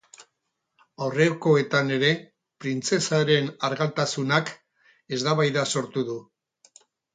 Aurrekoetan ere, printzesaren argaltasunak eztabaida sortu du.